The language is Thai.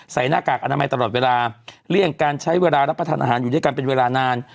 หน้ากากอนามัยตลอดเวลาเลี่ยงการใช้เวลารับประทานอาหารอยู่ด้วยกันเป็นเวลานาน